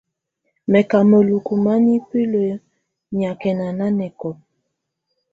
Mɛ̀ kà mǝluku ma nipilǝ nyàkɛna nanɛkɔlà.